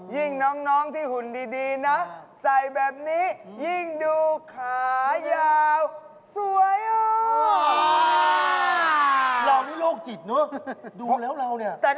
ยิ่งน้องที่หุ่นดีนะใส่แบบนี้ยิ่งดูขายาวสวยอะ